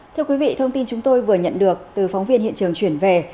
thưa quý vị thông tin chúng tôi vừa nhận được từ phóng viên hiện trường chuyển về